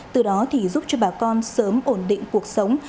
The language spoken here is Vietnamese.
từ đó thì giúp cho bà con sớm ổn định cuộc sống